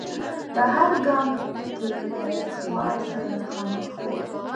په هر ګام کې له سوال سره مخامخ و.